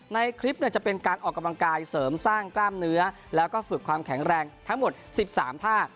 ในคลิปจะเป็นการออกกำลังกายเสริมสร้างกล้ามเนื้อแล้วก็ฝึกความแข็งแรงทั้งหมด๑๓ท่า